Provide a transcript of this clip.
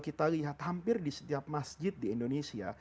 kita lihat hampir di setiap masjid di indonesia